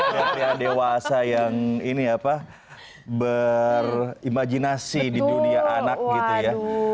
pria pria dewasa yang ini apa berimajinasi di dunia anak gitu ya